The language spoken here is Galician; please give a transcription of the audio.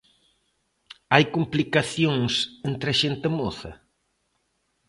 Hai complicacións entre a xente moza?